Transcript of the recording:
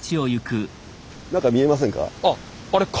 何か見えませんか？